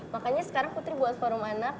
makanya sekarang putri buat forum anak